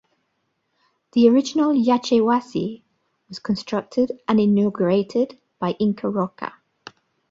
The original "Yachaywasi" was constructed and inaugurated by Inca Roca.